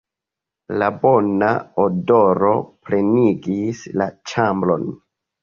La bona odoro plenigis la ĉambron.